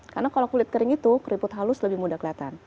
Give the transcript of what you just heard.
karena kalau kulit kering itu keriput halus lebih mudah kelihatan